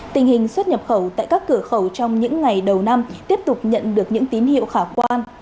tình hình xuất nhập khẩu tại các cửa khẩu trong những ngày đầu năm tiếp tục nhận được những tín hiệu khả quan